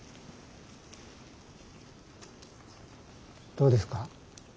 どうですか？